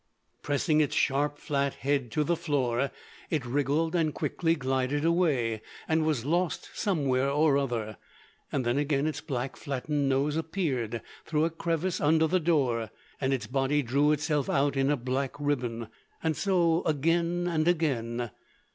Pressing its sharp flat head to the floor, it wriggled and quickly glided away, and was lost somewhere or other, and then again its black flattened nose appeared through a crevice under the door, and its body drew itself out in a black ribbon—and so again and again.